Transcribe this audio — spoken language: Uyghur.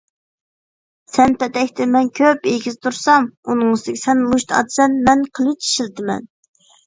سەن پەتەكتىن مەن كۆپ ئېگىز تۇرسام، ئۇنىڭ ئۈستىگە سەن مۇشت ئاتىسەن، مەن قىلىچ ئىشلىتىمەن.